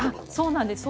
そうなんです。